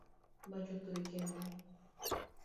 Mach otho e kendo